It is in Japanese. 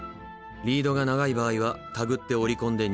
リードが長い場合はたぐって折り込んで握る。